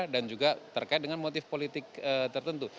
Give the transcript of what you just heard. dan juga terkait dengan motif politik tertentu